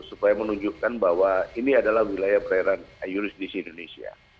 supaya menunjukkan bahwa ini adalah wilayah perairan euridisi indonesia